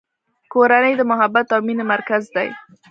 کورنۍ د محبت او مینې مرکز دی.